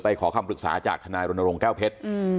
ขอคำปรึกษาจากทนายรณรงค์แก้วเพชร